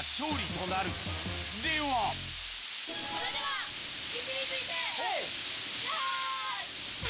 それでは位置について用意！